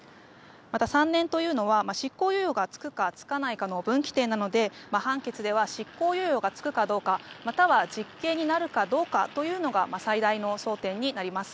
また３年というのは執行猶予が付くか付かないかの分岐点なので判決では執行猶予が付くかどうかまたは実刑になるかどうかが最大の焦点になります。